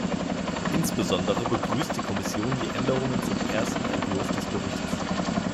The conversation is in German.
Insbesondere begrüßt die Kommission die Änderungen zum ersten Entwurf des Berichts.